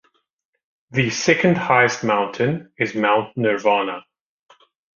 The second highest mountain is Mount Nirvana.